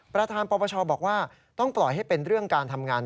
ประธานปปชบอกว่าต้องปล่อยให้เป็นเรื่องการทำงาน